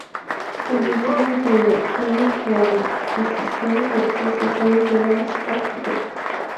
El sencillo incluye, una improvisación de sesiones de "Dance of Death".